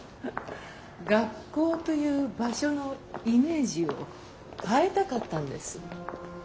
学校という場所のイメージを変えたかったんです。